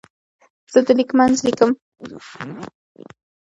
زه د لیک منځ لیکم.